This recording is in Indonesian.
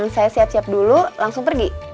saya siap siap dulu langsung pergi